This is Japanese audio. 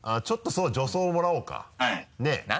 ちょっとそう助走をもらおうかはい。